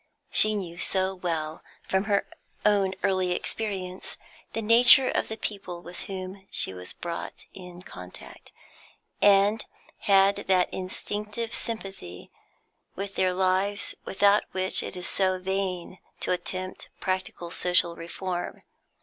She knew so well, from her own early experience, the nature of the people with whom she was brought in contact, and had that instinctive sympathy with their lives without which it is so vain to attempt practical social reform.